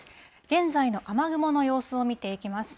現在の雨雲の様子を見ていきます。